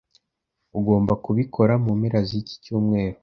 Ugomba kubikora mu mpera ziki cyumweru.